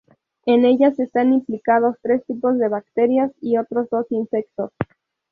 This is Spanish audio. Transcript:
En ellas están implicados tres tipos de bacterias y otros dos insectos.